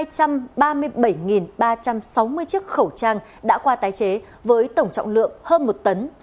hai trăm ba mươi bảy ba trăm sáu mươi chiếc khẩu trang đã qua tái chế với tổng trọng lượng hơn một tấn